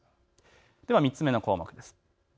では３つ目の項目です。